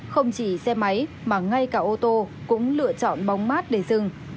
không chỉ xe máy mà ngay cả ô tô cũng lựa chọn bóng mát để dừng